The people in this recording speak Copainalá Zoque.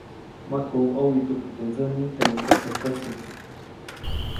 Makuʼuŋ ʼowituki teʼ ndsäniʼ temä kotsäjkäsi.